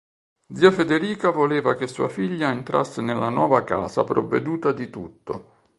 Zia Federica voleva che sua figlia entrasse nella nuova casa provveduta di tutto.